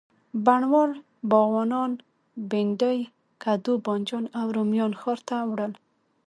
بڼوال، باغوانان، بینډۍ، کدو، بانجان او رومیان ښار ته وړل.